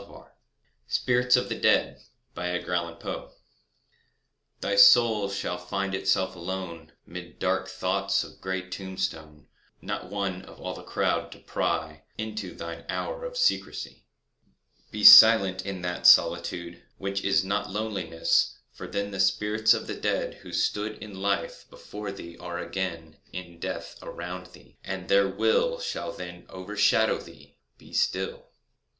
1827. SPIRITS OF THE DEAD 1 Thy soul shall find itself alone 'Mid dark thoughts of the grey tomb stone— Not one, of all the crowd, to pry Into thine hour of secrecy: 2 Be silent in that solitude Which is not loneliness—for then The spirits of the dead who stood In life before thee are again In death around thee—and their will Shall then overshadow thee: be still.